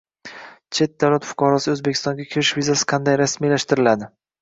chet davlat fuqarosiga O‘zbekistonga kirish vizasi qanday rasmiylashtiriladi?